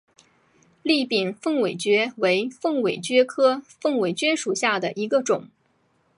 栗柄凤尾蕨为凤尾蕨科凤尾蕨属下的一个种。